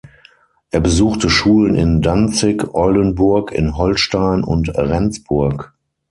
Er besuchte Schulen in Danzig, Oldenburg in Holstein und Rendsburg.